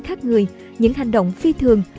khác người những hành động phi thường